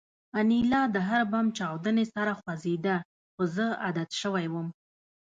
انیلا د هر بم چاودنې سره خوځېده خو زه عادت شوی وم